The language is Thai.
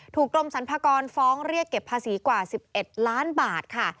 กรมสรรพากรฟ้องเรียกเก็บภาษีกว่า๑๑ล้านบาทค่ะ